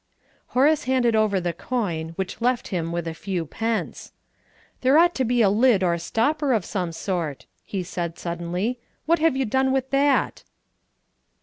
Horace handed over the coin, which left him with a few pence. "There ought to be a lid or stopper of some sort," he said suddenly. "What have you done with that?"